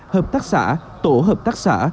hợp tác xã tổ hợp tác xã